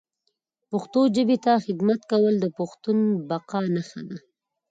پښتو ژبي ته خدمت کول د پښتون بقا نښه ده